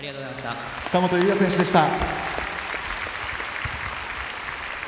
神本雄也選手でした。